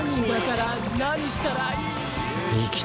だから何したらいい？